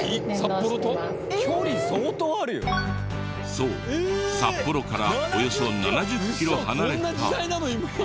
そう札幌からおよそ７０キロ離れた。